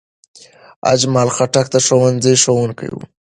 اجمل خټک د ښوونځي ښوونکی و.